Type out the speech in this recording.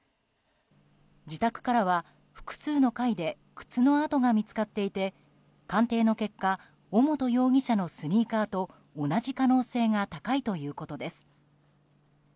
自宅からは複数の階で靴の跡が見つかっていて鑑定の結果尾本容疑者のスニーカーと同じ可能性が高いということです。